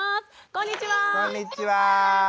こんにちは。